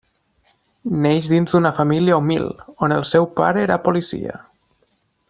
Neix dins una família humil, on el seu pare era policia.